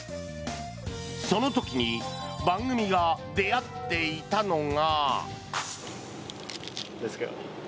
その時に番組が出会っていたのが。